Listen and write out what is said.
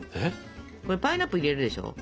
これパイナップル入れるでしょ。